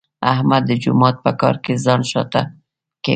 احمد د جومات په کار کې ځان شاته کوي.